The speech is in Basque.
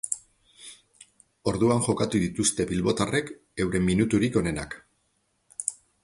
Orduan jokatu dituzte bilbotarrek euren minuturik onenak.